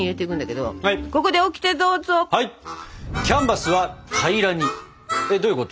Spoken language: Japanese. どういうこと？